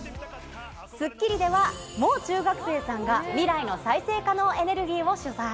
スッキリでは、もう中学生さんが、未来の再生可能エネルギーを取材。